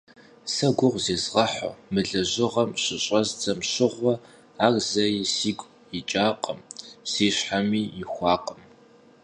Сэ гугъу зезгъэхьу мы лэжьыгъэм щыщӏэздзэм щыгъуэ, ар зэи сигу икӏакъым, си щхьэми ихуакъым.